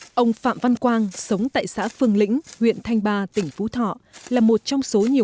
ông phạm văn quang sống tại xã phương lĩnh huyện thanh ba tỉnh phú thọ là một trong số nhiều